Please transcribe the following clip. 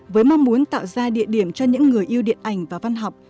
với mong muốn tạo ra địa điểm cho những người yêu điện ảnh và văn học